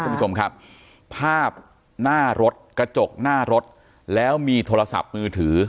คุณผู้ชมครับภาพหน้ารถกระจกหน้ารถแล้วมีโทรศัพท์มือถือ